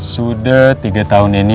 sudah tiga tahun ini